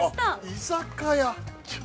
◆居酒屋？